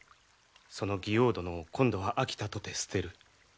その妓王殿を今度は飽きたとて捨てる。